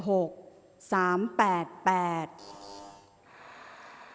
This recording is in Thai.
ออกรางวัลที่๖เลขที่๗